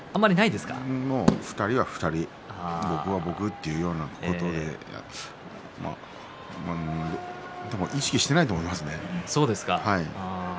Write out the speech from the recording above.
もう、２人は２人僕は僕というようなことででも意識していないと思います。